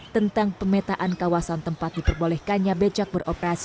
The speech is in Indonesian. tentang pemetaan kawasan tempat diperbolehkannya becak beroperasi